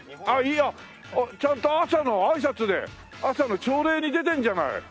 あっちゃんと朝のあいさつで朝の朝礼に出てるじゃない